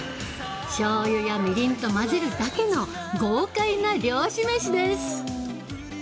しょうゆや、みりんと混ぜるだけの豪快な漁師飯です。